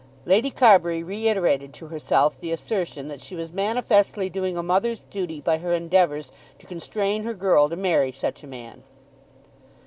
Lady Carbury reiterated to herself the assertion that she was manifestly doing a mother's duty by her endeavours to constrain her girl to marry such a man.